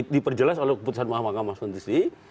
diperjelas oleh keputusan mahkamah konstitusi